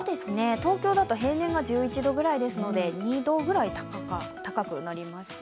東京だと平年が１１度くらいですので２度くらい高くなりました。